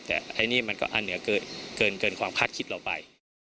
แต่ไอ้นี่มันก็อันเหนือเกินความคาดคิดเราไป